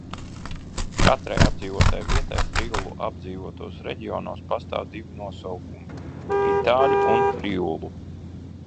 Katrai apdzīvotai vietai friulu apdzīvotos reģionos pastāv divi nosaukumi – itāļu un friulu.